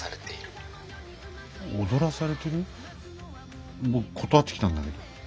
僕断ってきたんだけど。